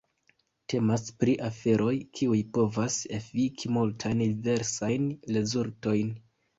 Temas pri aferoj, kiuj povas efiki multajn diversajn rezultojn.